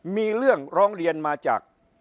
มีเรื่องร้องเรียนมาจาก